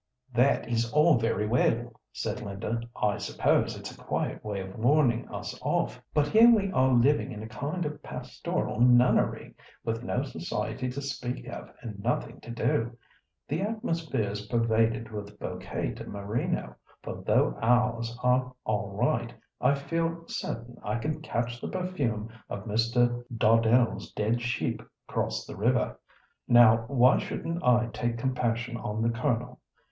"That is all very well," said Linda; "I suppose it's a quiet way of warning us off. But here we are living in a kind of pastoral nunnery, with no society to speak of, and nothing to do. The atmosphere's pervaded with bouquet de merino, for though ours are all right, I feel certain I can catch the perfume of Mr. Dawdell's dead sheep across the river. Now, why shouldn't I take compassion on the Colonel?